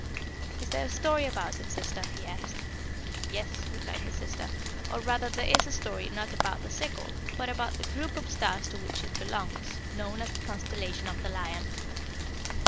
"Is there a story about it, sister?" he asked. "Yes," replied his sister; "or rather there is a story not about the sickle, but about the group of stars to which it belongs, known as the constellation of the Lion.